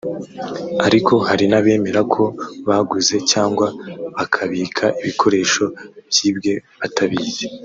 ariko hari n’abemera ko baguze cyangwa bakabika ibikoresho byibwe batabizi